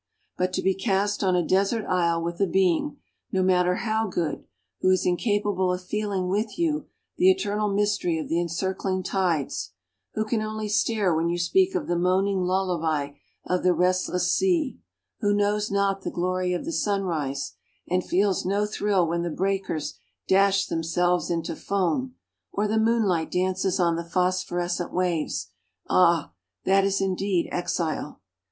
But to be cast on a desert isle with a being, no matter how good, who is incapable of feeling with you the eternal mystery of the encircling tides; who can only stare when you speak of the moaning lullaby of the restless sea; who knows not the glory of the sunrise, and feels no thrill when the breakers dash themselves into foam, or the moonlight dances on the phosphorescent waves ah, that is indeed exile!